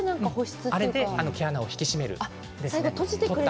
あれで毛穴を引き締めているんです。